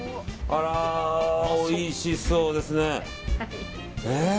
おいしそうですね。